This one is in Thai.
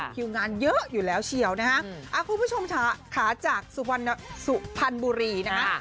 หิวงานเยอะอยู่แล้วเฉียวนะคะคุณผู้ชมขาจากสุพรรณบุรีนะคะ